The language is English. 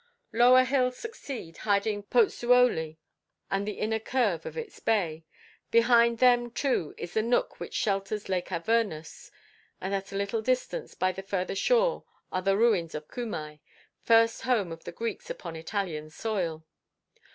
Lower hills succeed, hiding Pozzuoli and the inner curve of its bay; behind them, too, is the nook which shelters Lake Avernus; and at a little distance, by the further shore, are the ruins of Cumae, first home of the Greeks upon Italian soil.